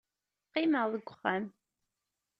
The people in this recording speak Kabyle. Qqimeɣ deg uxxam.